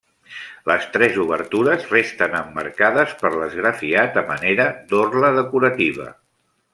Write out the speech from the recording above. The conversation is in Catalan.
Les tres obertures resten emmarcades per l'esgrafiat a manera d'orla decorativa.